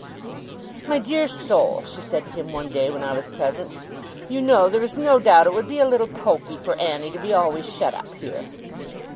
'My dear soul,' she said to him one day when I was present, 'you know there is no doubt it would be a little pokey for Annie to be always shut up here.